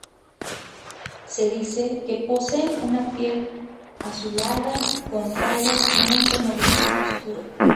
Se dice que poseen una piel azulada con rayas de un tono gris oscuro.